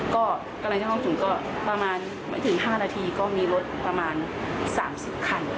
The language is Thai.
ก็กำลังจะเข้าถึงก็ประมาณไม่ถึง๕นาทีก็มีรถประมาณ๓๐คัน